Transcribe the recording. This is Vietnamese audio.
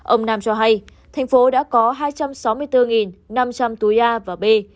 ông nam cho hay thành phố đã có hai trăm sáu mươi bốn năm trăm linh túi a và b